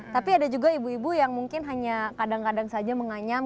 tapi ada juga ibu ibu yang mungkin hanya kadang kadang saja menganyam